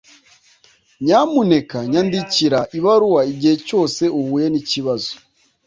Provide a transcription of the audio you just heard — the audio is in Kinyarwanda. Nyamuneka nyandikira ibaruwa igihe cyose uhuye nikibazo